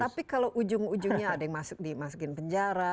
tapi kalau ujung ujungnya ada yang masuk dimasukin penjara